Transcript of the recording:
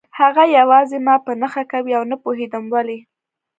هغه یوازې ما په نښه کوي او نه پوهېدم ولې